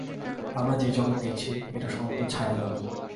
আমরা যে-জগৎ দেখছি, এটা সম্ভবত ছায়াজগৎ।